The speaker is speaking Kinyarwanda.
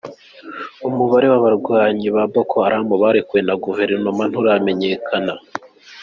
Umubare w'abarwanyi ba Boko Haram barekuwe na guverinoma nturamenyekana.